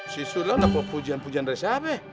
si sulam apa pujian pujian dari siapa